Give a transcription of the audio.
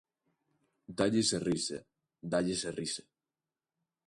Dálles a risa, ¡dálles a risa!